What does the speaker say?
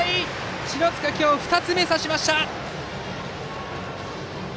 篠塚、今日２つ目、刺しました！